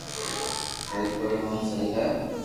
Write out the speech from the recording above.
سھي ڪوئي مون تو سھي